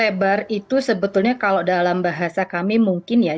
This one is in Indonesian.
lebih lebar itu sebetulnya kalau dalam bahasa kami itu lebih lebar